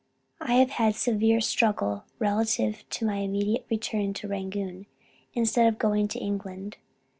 I have had a severe struggle relative to my immediate return to Rangoon instead of going to England.